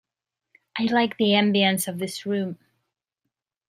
I like the ambience of this room.